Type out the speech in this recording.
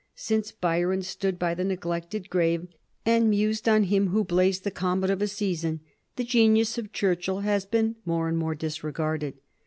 Since Byron stood by the neglected grave and mused on him who blazed, the comet of a season, the genius of Churchill has been more and more disregarded.